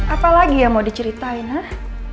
apalagi ya mau diceritain hah